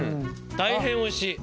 大変おいしい。